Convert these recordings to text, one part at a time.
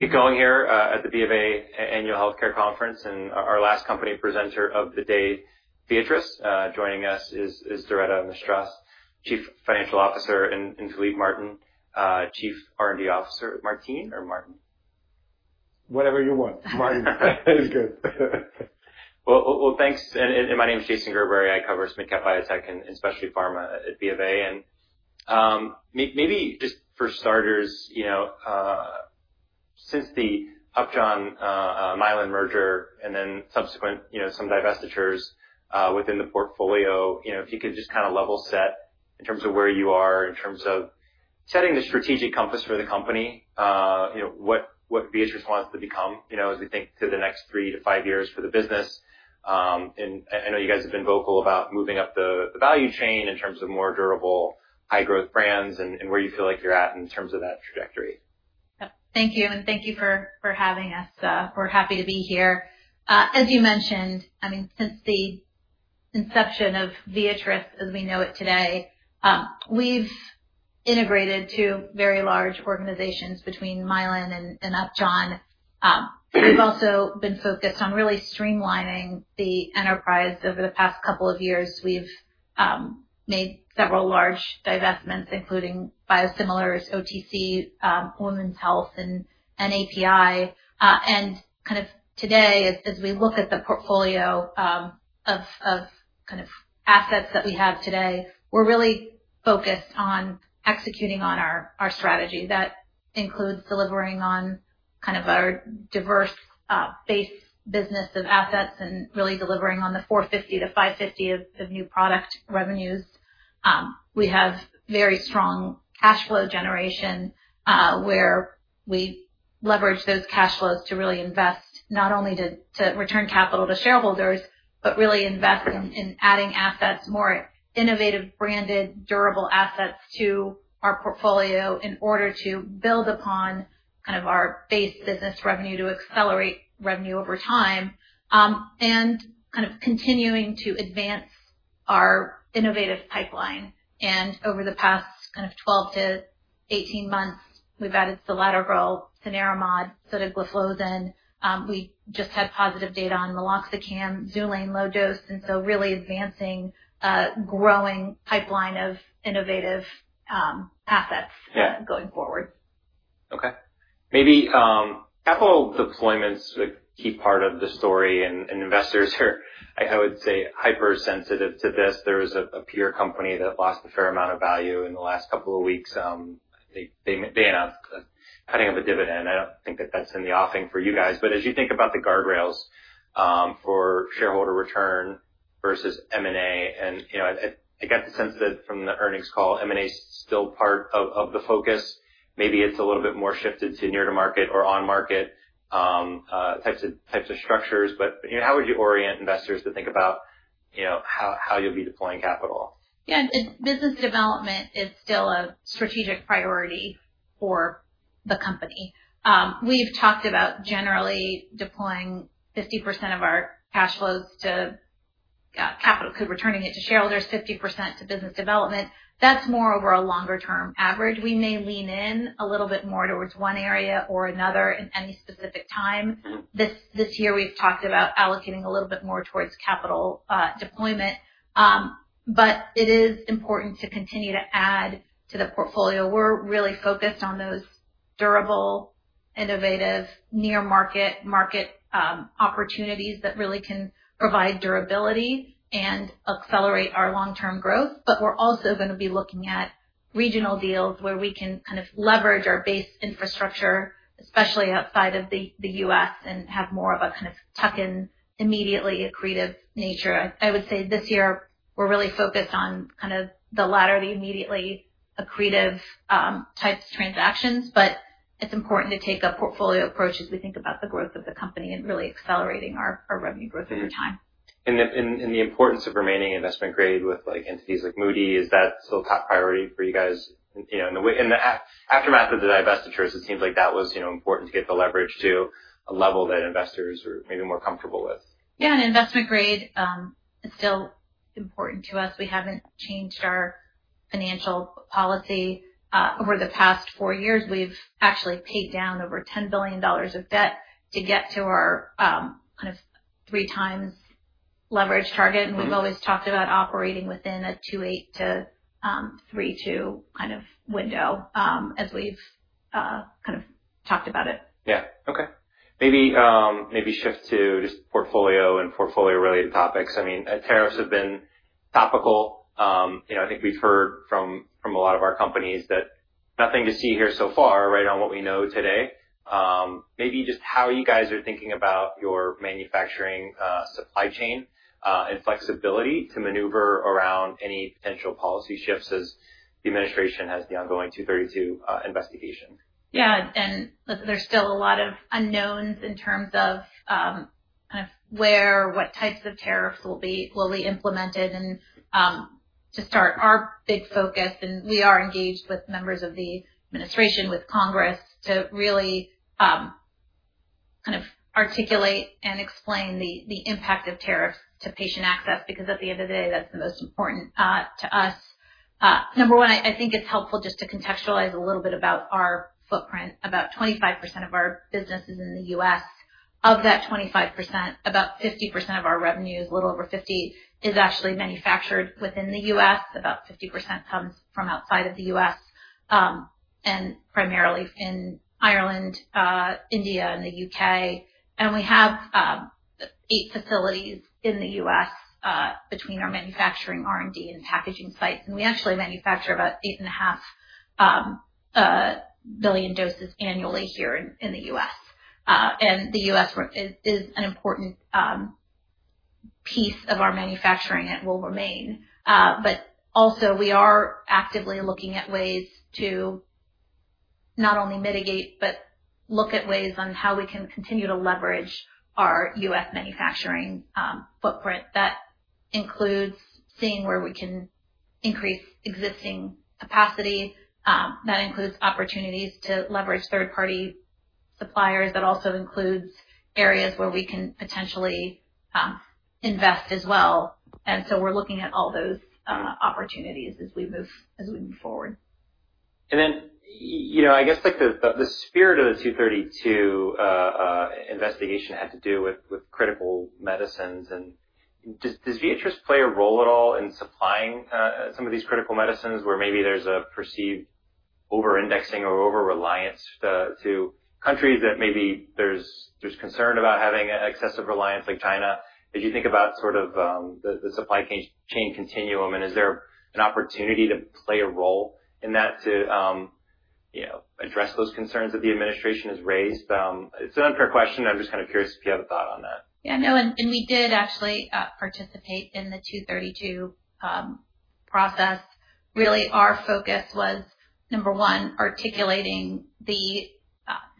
Keep going here at the VMA Annual Healthcare Conference. Our last company presenter of the day, Viatris, joining us is Doretta Mistras, Chief Financial Officer, and Philippe Martin, Chief R&D Officer. Martin or Martin? Whatever you want. Martin is good. Thank you. My name is Jason Gerber. I cover Smithcap Biotech and specialty pharma at VMA. Maybe just for starters, since the Upjohn-Mylan merger and then subsequent some divestitures within the portfolio, if you could just kind of level set in terms of where you are, in terms of setting the strategic compass for the company, what Viatris wants to become as we think to the next three to five years for the business. I know you guys have been vocal about moving up the value chain in terms of more durable, high-growth brands and where you feel like you're at in terms of that trajectory. Thank you. Thank you for having us. We're happy to be here. As you mentioned, I mean, since the inception of Viatris as we know it today, we've integrated two very large organizations between Mylan and Upjohn. We've also been focused on really streamlining the enterprise. Over the past couple of years, we've made several large divestments, including biosimilars, OTC, women's health, and NAPI. Kind of today, as we look at the portfolio of kind of assets that we have today, we're really focused on executing on our strategy. That includes delivering on kind of our diverse base business of assets and really delivering on the 450-550 of new product revenues. We have very strong cash flow generation where we leverage those cash flows to really invest not only to return capital to shareholders, but really invest in adding assets, more innovative, branded, durable assets to our portfolio in order to build upon kind of our base business revenue to accelerate revenue over time and kind of continuing to advance our innovative pipeline. Over the past 12 to 18 months, we've added Selatogrel, Cenerimod, Sotagliflozin. We just had positive data on meloxicam, Xulane low dose. Really advancing a growing pipeline of innovative assets going forward. Okay. Maybe capital deployment's a key part of the story. And investors are, I would say, hypersensitive to this. There is a peer company that lost a fair amount of value in the last couple of weeks. They announced the cutting of a dividend. I don't think that that's in the offering for you guys. But as you think about the guardrails for shareholder return versus M&A, and I got the sense that from the earnings call, M&A's still part of the focus. Maybe it's a little bit more shifted to near-to-market or on-market types of structures. But how would you orient investors to think about how you'll be deploying capital? Yeah. Business development is still a strategic priority for the company. We've talked about generally deploying 50% of our cash flows to capital, returning it to shareholders, 50% to business development. That's more over a longer-term average. We may lean in a little bit more towards one area or another at any specific time. This year, we've talked about allocating a little bit more towards capital deployment. It is important to continue to add to the portfolio. We're really focused on those durable, innovative, near-market market opportunities that really can provide durability and accelerate our long-term growth. We're also going to be looking at regional deals where we can kind of leverage our base infrastructure, especially outside of the U.S., and have more of a kind of tuck-in, immediately accretive nature. I would say this year, we're really focused on kind of the latter, the immediately accretive types of transactions. It is important to take a portfolio approach as we think about the growth of the company and really accelerating our revenue growth over time. The importance of remaining investment-grade with entities like Moody's, is that still a top priority for you guys? In the aftermath of the divestitures, it seems like that was important to get the leverage to a level that investors are maybe more comfortable with. Yeah. Investment-grade is still important to us. We haven't changed our financial policy. Over the past four years, we've actually paid down over $10 billion of debt to get to our kind of three-times leverage target. We've always talked about operating within a 2.8-3.2 kind of window as we've kind of talked about it. Yeah. Okay. Maybe shift to just portfolio and portfolio-related topics. I mean, tariffs have been topical. I think we've heard from a lot of our companies that nothing to see here so far, right, on what we know today. Maybe just how you guys are thinking about your manufacturing supply chain and flexibility to maneuver around any potential policy shifts as the administration has the ongoing 232 investigation? Yeah. There is still a lot of unknowns in terms of kind of where, what types of tariffs will be implemented. To start, our big focus, and we are engaged with members of the administration, with Congress, to really kind of articulate and explain the impact of tariffs to patient access because at the end of the day, that is the most important to us. Number one, I think it is helpful just to contextualize a little bit about our footprint. About 25% of our business is in the U.S. Of that 25%, about 50% of our revenues, a little over 50%, is actually manufactured within the U.S. About 50% comes from outside of the U.S. and primarily in Ireland, India, and the U.K. We have eight facilities in the U.S. between our manufacturing, R&D, and packaging sites. We actually manufacture about 8.5 billion doses annually here in the U.S. The U.S. is an important piece of our manufacturing and will remain. We are actively looking at ways to not only mitigate but look at ways on how we can continue to leverage our U.S. manufacturing footprint. That includes seeing where we can increase existing capacity. That includes opportunities to leverage third-party suppliers. That also includes areas where we can potentially invest as well. We are looking at all those opportunities as we move forward. I guess the spirit of the 232 investigation had to do with critical medicines. Does Viatris play a role at all in supplying some of these critical medicines where maybe there's a perceived over-indexing or over-reliance to countries that maybe there's concern about having excessive reliance like China? As you think about sort of the supply chain continuum, is there an opportunity to play a role in that to address those concerns that the administration has raised? It's an unfair question. I'm just kind of curious if you have a thought on that. Yeah. No. We did actually participate in the 232 process. Really, our focus was, number one, articulating the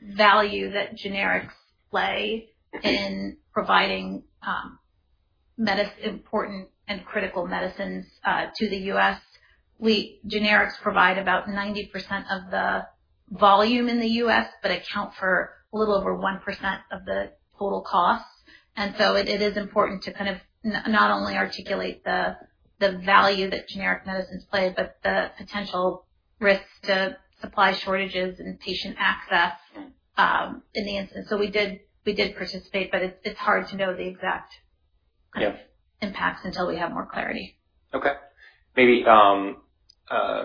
value that generics play in providing important and critical medicines to the U.S. Generics provide about 90% of the volume in the U.S. but account for a little over 1% of the total costs. It is important to kind of not only articulate the value that generic medicines play but the potential risks to supply shortages and patient access in the instance. We did participate, but it's hard to know the exact impacts until we have more clarity. Okay.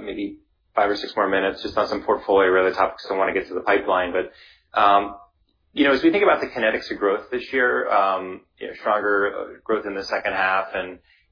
Maybe five or six more minutes just on some portfolio-related topics. I want to get to the pipeline. As we think about the kinetics of growth this year, stronger growth in the second half,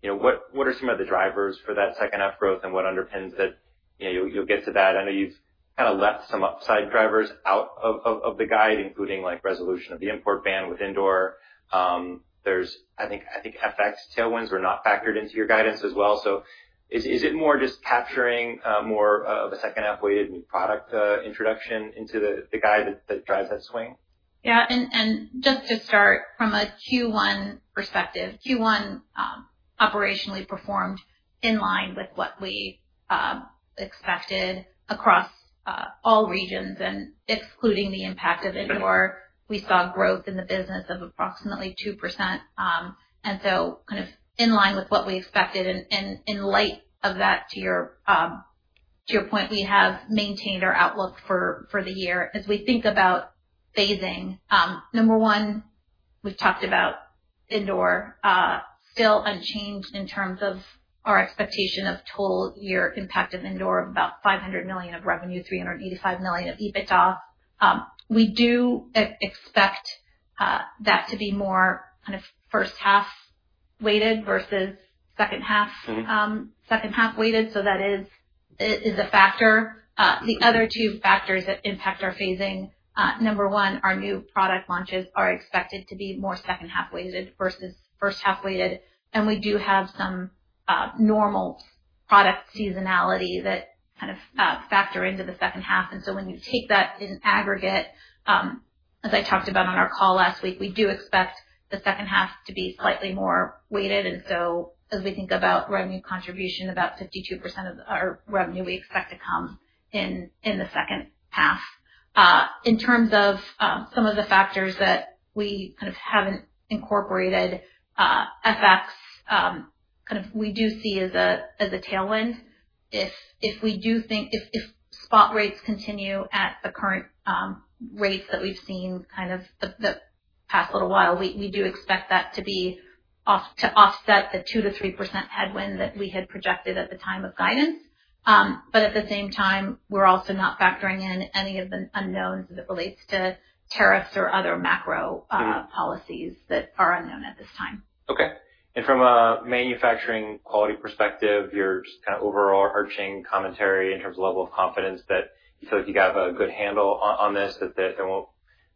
what are some of the drivers for that second half growth and what underpins it? You'll get to that. I know you've kind of left some upside drivers out of the guide, including resolution of the import ban with India. I think FX tailwinds were not factored into your guidance as well. Is it more just capturing more of a second half-weighted new product introduction into the guide that drives that swing? Yeah. Just to start, from a Q1 perspective, Q1 operationally performed in line with what we expected across all regions, excluding the impact of indoor. We saw growth in the business of approximately 2%. Kind of in line with what we expected. In light of that, to your point, we have maintained our outlook for the year. As we think about phasing, number one, we've talked about indoor, still unchanged in terms of our expectation of total year impact of indoor of about $500 million of revenue, $385 million of EBITDA. We do expect that to be more kind of first half-weighted versus second half-weighted. That is a factor. The other two factors that impact our phasing, number one, our new product launches are expected to be more second half-weighted versus first half-weighted. We do have some normal product seasonality that kind of factors into the second half. When you take that in aggregate, as I talked about on our call last week, we do expect the second half to be slightly more weighted. As we think about revenue contribution, about 52% of our revenue we expect to come in the second half. In terms of some of the factors that we kind of have not incorporated, FX we do see as a tailwind. If we think if spot rates continue at the current rates that we have seen the past little while, we do expect that to offset the 2-3% headwind that we had projected at the time of guidance. At the same time, we're also not factoring in any of the unknowns as it relates to tariffs or other macro policies that are unknown at this time. Okay. From a manufacturing quality perspective, your kind of overarching commentary in terms of level of confidence that you feel like you have a good handle on this, that it won't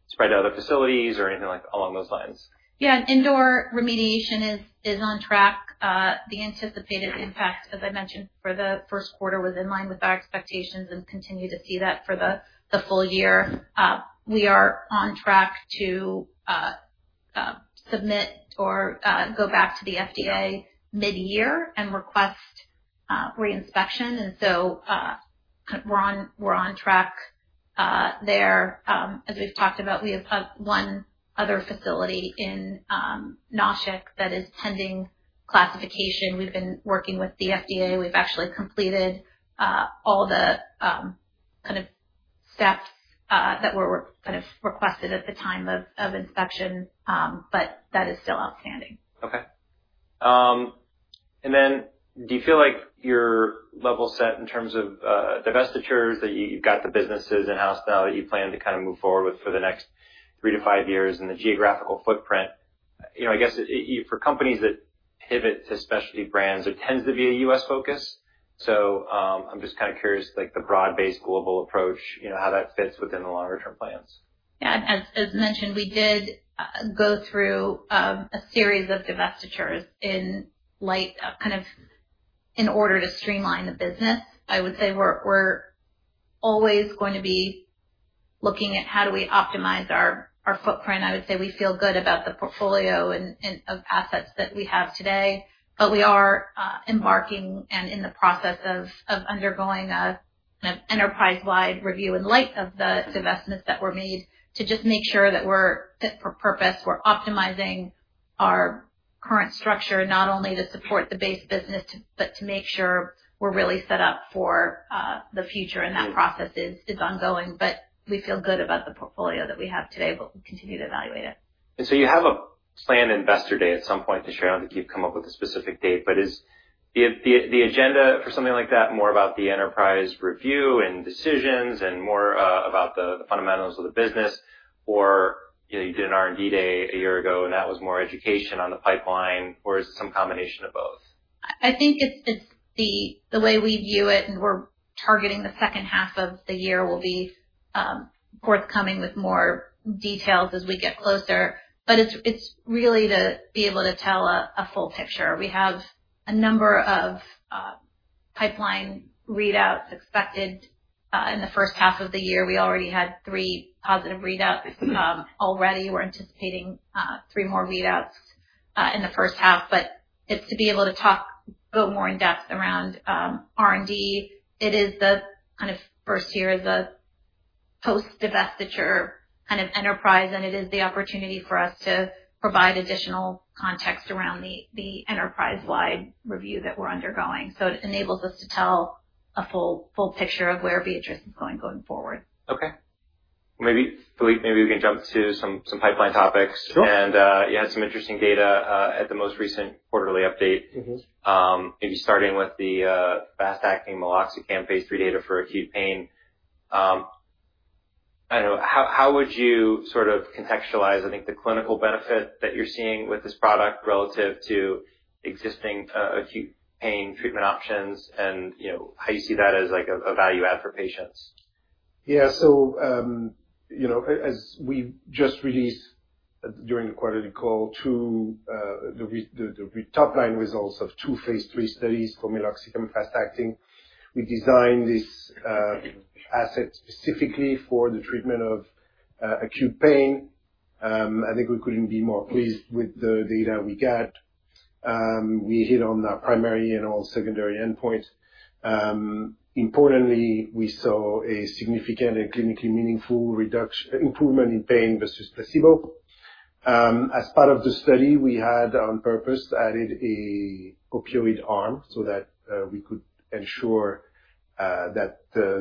spread to other facilities or anything along those lines? Yeah. Indoor remediation is on track. The anticipated impact, as I mentioned, for the first quarter was in line with our expectations and continue to see that for the full year. We are on track to submit or go back to the FDA mid-year and request reinspection. We are on track there. As we've talked about, we have one other facility in Nashik that is pending classification. We've been working with the FDA. We've actually completed all the kind of steps that were kind of requested at the time of inspection, but that is still outstanding. Okay. Do you feel like your level set in terms of divestitures, that you've got the businesses in-house now that you plan to kind of move forward with for the next three to five years and the geographical footprint? I guess for companies that pivot to specialty brands, it tends to be a US focus. I'm just kind of curious, the broad-based global approach, how that fits within the longer-term plans. Yeah. As mentioned, we did go through a series of divestitures in light of kind of in order to streamline the business. I would say we're always going to be looking at how do we optimize our footprint. I would say we feel good about the portfolio of assets that we have today. We are embarking and in the process of undergoing an enterprise-wide review in light of the investments that were made to just make sure that we're fit for purpose. We're optimizing our current structure not only to support the base business but to make sure we're really set up for the future. That process is ongoing. We feel good about the portfolio that we have today, but we'll continue to evaluate it. You have a planned investor day at some point this year. I don't think you've come up with a specific date. Is the agenda for something like that more about the enterprise review and decisions and more about the fundamentals of the business, or you did an R&D day a year ago and that was more education on the pipeline, or is it some combination of both? I think it's the way we view it, and we're targeting the second half of the year. We will be forthcoming with more details as we get closer. It's really to be able to tell a full picture. We have a number of pipeline readouts expected in the first half of the year. We already had three positive readouts already. We're anticipating three more readouts in the first half. It's to be able to talk a little more in depth around R&D. It is the kind of first year as a post-divestiture kind of enterprise, and it is the opportunity for us to provide additional context around the enterprise-wide review that we're undergoing. It enables us to tell a full picture of where Viatris is going going forward. Okay. Maybe, Philippe, maybe we can jump to some pipeline topics. You had some interesting data at the most recent quarterly update, maybe starting with the fast-acting meloxicam phase three data for acute pain. I don't know. How would you sort of contextualize, I think, the clinical benefit that you're seeing with this product relative to existing acute pain treatment options and how you see that as a value add for patients? Yeah. As we just released during the quarterly call, the top-line results of two phase three studies for fast-acting meloxicam. We designed this asset specifically for the treatment of acute pain. I think we could not be more pleased with the data we got. We hit on our primary and all secondary endpoints. Importantly, we saw a significant and clinically meaningful improvement in pain versus placebo. As part of the study, we had on purpose added an opioid arm so that we could ensure that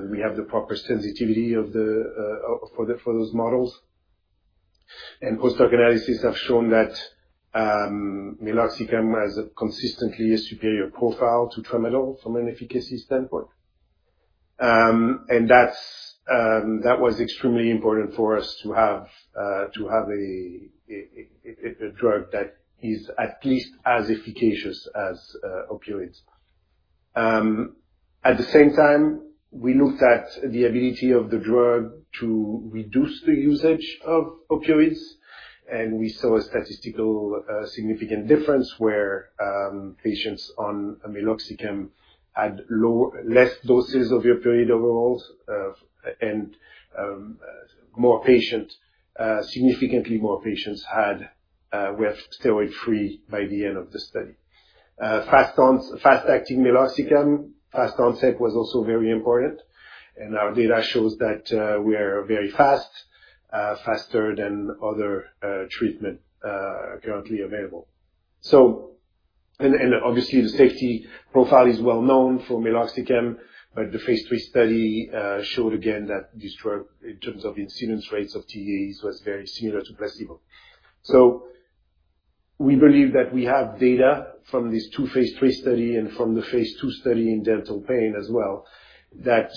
we have the proper sensitivity for those models. Postdoc analysis have shown that meloxicam has consistently a superior profile to tramadol from an efficacy standpoint. That was extremely important for us to have a drug that is at least as efficacious as opioids. At the same time, we looked at the ability of the drug to reduce the usage of opioids. We saw a statistically significant difference where patients on meloxicam had fewer doses of opioid overall, and significantly more patients had left steroid-free by the end of the study. Fast-acting meloxicam, fast onset was also very important. Our data shows that we are very fast, faster than other treatments currently available. Obviously, the safety profile is well known for meloxicam, but the phase three study showed again that this drug, in terms of incidence rates of TEAs, was very similar to placebo. We believe that we have data from this two-phase three study and from the phase 2 study in dental pain as well that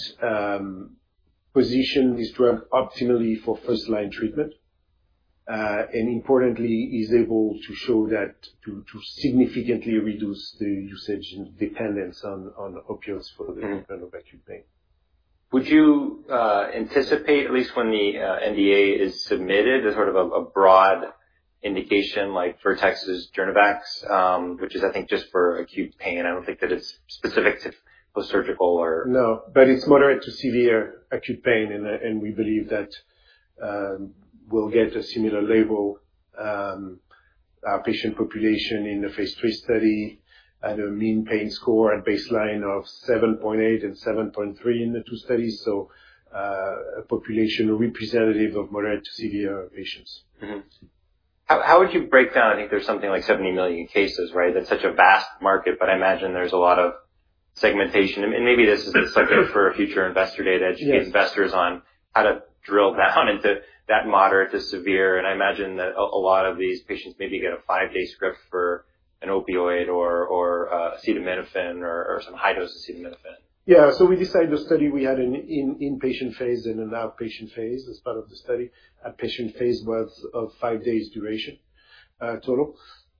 position this drug optimally for first-line treatment. Importantly, it is able to show that it can significantly reduce the usage and dependence on opioids for the treatment of acute pain. Would you anticipate, at least when the NDA is submitted, sort of a broad indication like Vertex's Jornevax, which is, I think, just for acute pain? I don't think that it's specific to post-surgical or. No. It is moderate to severe acute pain. We believe that we will get a similar label. Our patient population in the phase three study had a mean pain score at baseline of 7.8 and 7.3 in the two studies. A population representative of moderate to severe patients. How would you break down? I think there's something like 70 million cases, right? That's such a vast market, but I imagine there's a lot of segmentation. Maybe this is a subject for future investor data to get investors on how to drill down into that moderate to severe. I imagine that a lot of these patients maybe get a five-day script for an opioid or acetaminophen or some high-dose acetaminophen. Yeah. We decided to study, we had an inpatient phase and an outpatient phase as part of the study, outpatient phase worth of five days' duration total.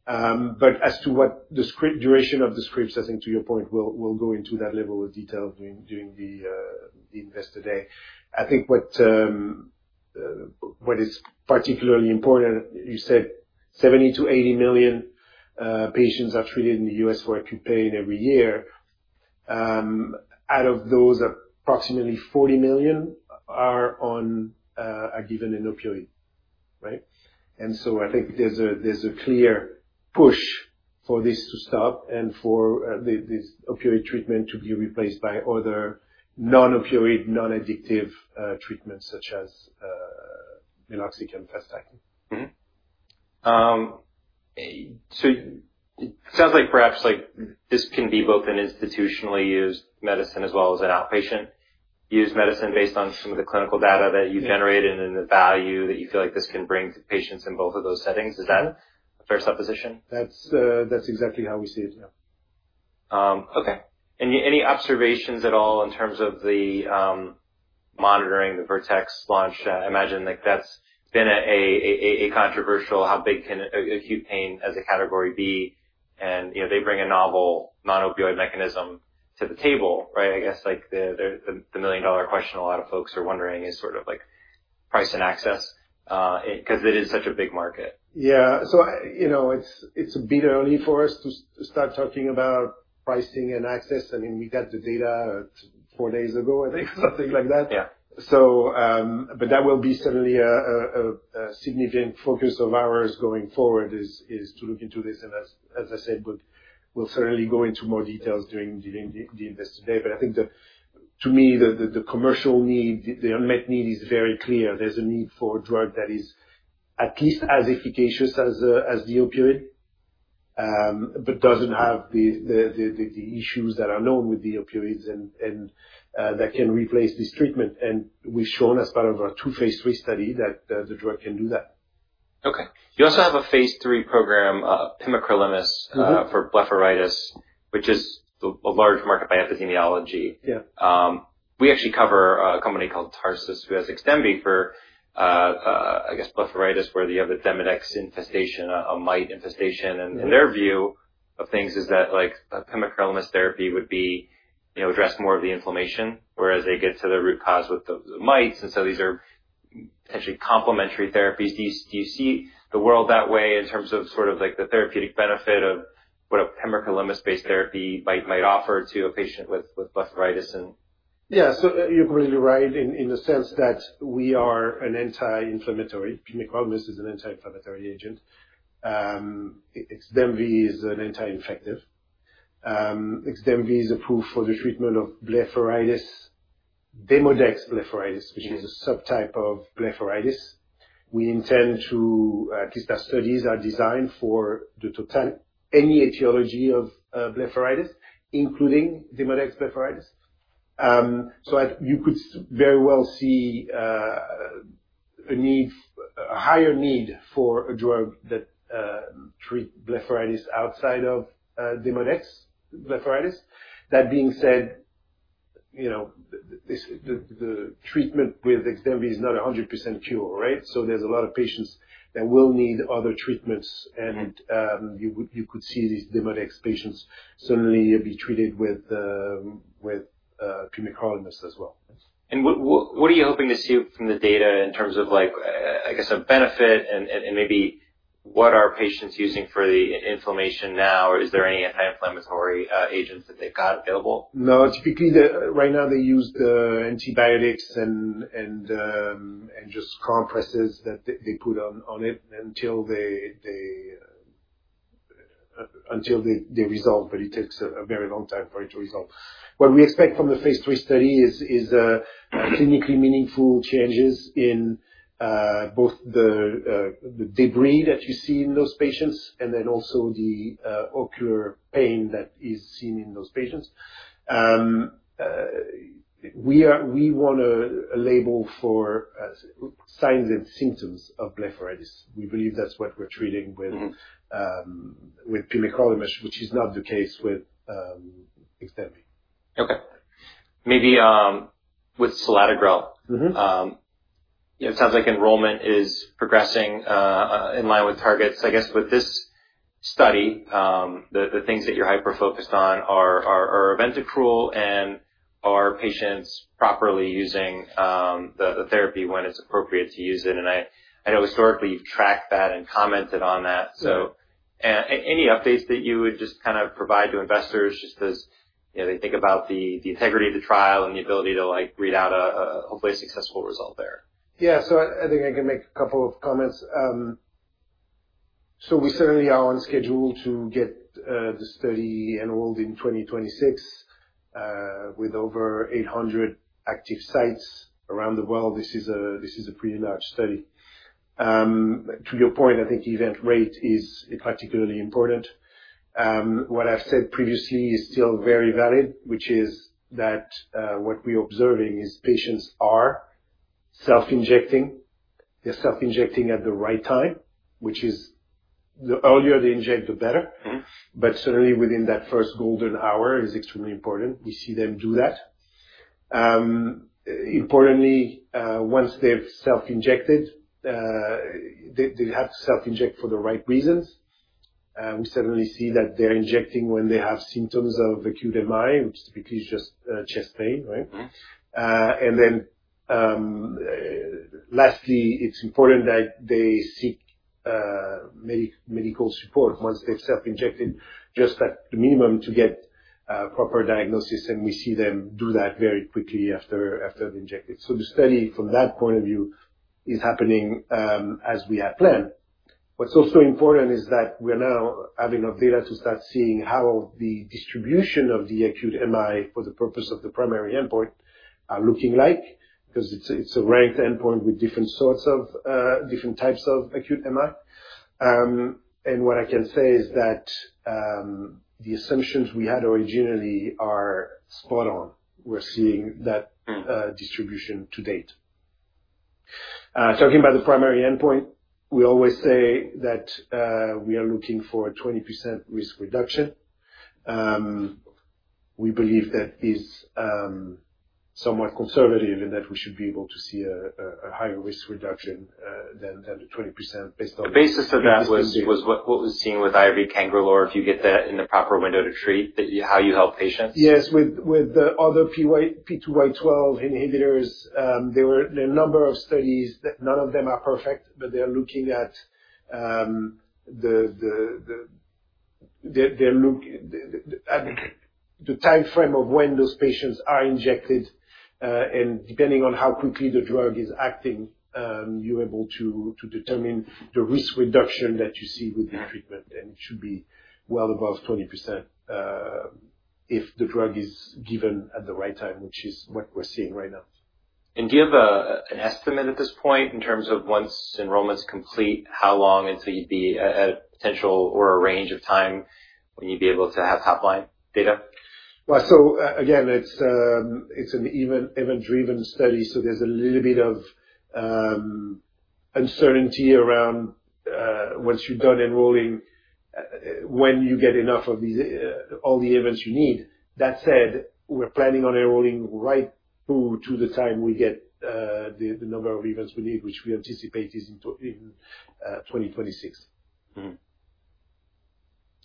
As to what the script duration of the scripts, I think to your point, we'll go into that level of detail during the investor day. I think what is particularly important, you said 70-80 million patients are treated in the US for acute pain every year. Out of those, approximately 40 million are given an opioid, right? I think there's a clear push for this to stop and for this opioid treatment to be replaced by other non-opioid, non-addictive treatments such as fast-acting meloxicam. It sounds like perhaps this can be both an institutionally used medicine as well as an outpatient-used medicine based on some of the clinical data that you've generated and the value that you feel like this can bring to patients in both of those settings. Is that a fair supposition? That's exactly how we see it, yeah. Okay. Any observations at all in terms of the monitoring, the Vertex launch? I imagine that's been controversial, how big can acute pain as a category be? They bring a novel non-opioid mechanism to the table, right? I guess the million-dollar question a lot of folks are wondering is sort of price and access because it is such a big market. Yeah. It is a bit early for us to start talking about pricing and access. I mean, we got the data four days ago, I think, something like that. That will be certainly a significant focus of ours going forward is to look into this. As I said, we will certainly go into more details during the investor day. I think to me, the commercial need, the unmet need is very clear. There is a need for a drug that is at least as efficacious as the opioid but does not have the issues that are known with the opioids and that can replace this treatment. We have shown as part of our two phase three study that the drug can do that. Okay. You also have a phase three program, pimecrolimus, for blepharitis, which is a large market by epidemiology. We actually cover a company called Tarsus who has Extembi for, I guess, blepharitis where you have a Demodex infestation, a mite infestation. Their view of things is that pimecrolimus therapy would address more of the inflammation, whereas they get to the root cause with the mites. These are potentially complementary therapies. Do you see the world that way in terms of sort of the therapeutic benefit of what a pimecrolimus-based therapy might offer to a patient with blepharitis? Yeah. You're completely right in the sense that we are an anti-inflammatory. Pimacrolimus is an anti-inflammatory agent. Extembi is an anti-infective. Extembi is approved for the treatment of blepharitis, Demodex blepharitis, which is a subtype of blepharitis. We intend to, at least our studies are designed for any etiology of blepharitis, including Demodex blepharitis. You could very well see a higher need for a drug that treats blepharitis outside of Demodex blepharitis. That being said, the treatment with Extembi is not 100% cure, right? There are a lot of patients that will need other treatments. You could see these Demodex patients certainly be treated with Pimacrolimus as well. What are you hoping to see from the data in terms of, I guess, a benefit? Maybe what are patients using for the inflammation now? Is there any anti-inflammatory agents that they've got available? No. Typically, right now, they use the antibiotics and just compresses that they put on it until they resolve. It takes a very long time for it to resolve. What we expect from the phase three study is clinically meaningful changes in both the debris that you see in those patients and then also the ocular pain that is seen in those patients. We want a label for signs and symptoms of blepharitis. We believe that's what we're treating with pimecrolimus, which is not the case with Extembi. Okay. Maybe with Selatogrel, it sounds like enrollment is progressing in line with targets. I guess with this study, the things that you're hyper-focused on are ventricle and are patients properly using the therapy when it's appropriate to use it? I know historically you've tracked that and commented on that. Any updates that you would just kind of provide to investors just as they think about the integrity of the trial and the ability to read out a hopefully successful result there? Yeah. I think I can make a couple of comments. We certainly are on schedule to get the study enrolled in 2026 with over 800 active sites around the world. This is a pretty large study. To your point, I think the event rate is particularly important. What I've said previously is still very valid, which is that what we're observing is patients are self-injecting. They're self-injecting at the right time, which is the earlier they inject, the better. Certainly within that first golden hour is extremely important. We see them do that. Importantly, once they've self-injected, they have to self-inject for the right reasons. We certainly see that they're injecting when they have symptoms of acute MI, which typically is just chest pain, right? Lastly, it's important that they seek medical support once they've self-injected, just at the minimum to get proper diagnosis. We see them do that very quickly after they're injected. The study from that point of view is happening as we had planned. What's also important is that we're now having enough data to start seeing how the distribution of the acute MI for the purpose of the primary endpoint are looking like because it's a ranked endpoint with different types of acute MI. What I can say is that the assumptions we had originally are spot on. We're seeing that distribution to date. Talking about the primary endpoint, we always say that we are looking for a 20% risk reduction. We believe that is somewhat conservative in that we should be able to see a higher risk reduction than the 20% based on. The basis of that was what was seen with IV Cangrelor if you get that in the proper window to treat how you help patients. Yes. With the other P2Y12 inhibitors, there are a number of studies. None of them are perfect, but they are looking at the timeframe of when those patients are injected. Depending on how quickly the drug is acting, you're able to determine the risk reduction that you see with the treatment. It should be well above 20% if the drug is given at the right time, which is what we're seeing right now. Do you have an estimate at this point in terms of once enrollment's complete, how long until you'd be at a potential or a range of time when you'd be able to have top-line data? Again, it's an event-driven study. So there's a little bit of uncertainty around once you're done enrolling, when you get enough of all the events you need. That said, we're planning on enrolling right through to the time we get the number of events we need, which we anticipate is in 2026.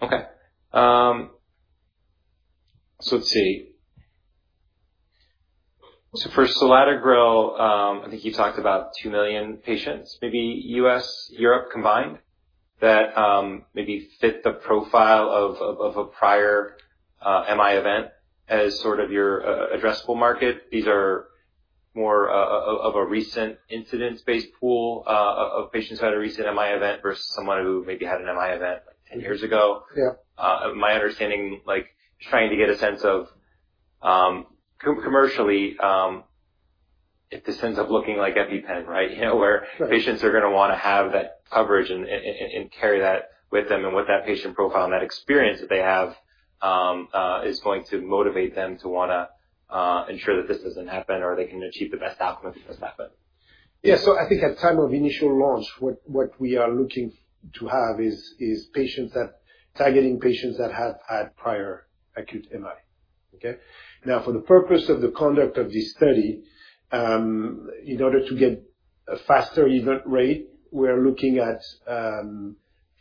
Okay. Let's see. For selatogrel, I think you talked about 2 million patients, maybe U.S., Europe combined, that maybe fit the profile of a prior MI event as sort of your addressable market. These are more of a recent incidence-based pool of patients who had a recent MI event versus someone who maybe had an MI event like 10 years ago. My understanding is trying to get a sense of commercially, if this ends up looking like EpiPen, right, where patients are going to want to have that coverage and carry that with them. And what that patient profile and that experience that they have is going to motivate them to want to ensure that this does not happen or they can achieve the best outcome if it does happen. Yeah. I think at the time of initial launch, what we are looking to have is targeting patients that had prior acute MI, okay? Now, for the purpose of the conduct of this study, in order to get a faster event rate, we are looking at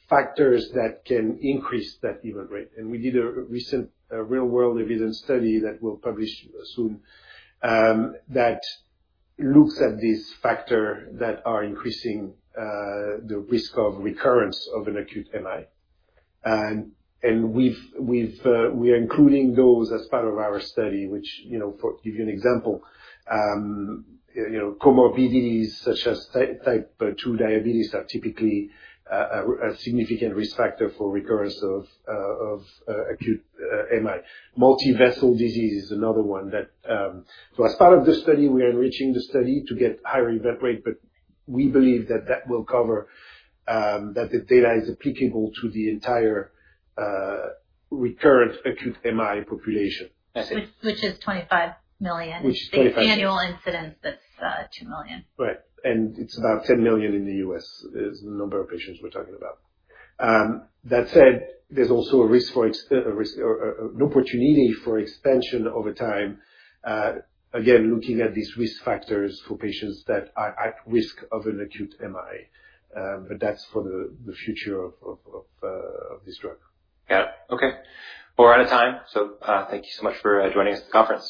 factors that can increase that event rate. We did a recent real-world evidence study that we will publish soon that looks at these factors that are increasing the risk of recurrence of an acute MI. We are including those as part of our study, which gives you an example. Comorbidities such as type 2 diabetes are typically a significant risk factor for recurrence of acute MI. Multivessel disease is another one, so as part of the study, we are enriching the study to get higher event rate. We believe that that will cover that the data is applicable to the entire recurrent acute MI population. Which is $25 million. Which is $25 million. The annual incidence, that's 2 million. Right. And it's about 10 million in the U.S. is the number of patients we're talking about. That said, there's also a risk for an opportunity for expansion over time, again, looking at these risk factors for patients that are at risk of an acute MI. But that's for the future of this drug. Yeah. Okay. We're out of time. Thank you so much for joining us at the conference.